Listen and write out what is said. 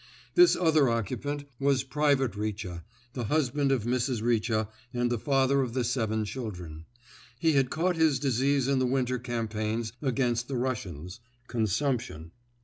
This other occupant was Private Richa, the husband of Mrs. Richa and the father of the seven children. He had caught his disease in the winter campaigns against the Russians—consumption.